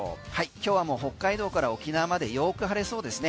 今日はもう北海道から沖縄までよく晴れそうですね。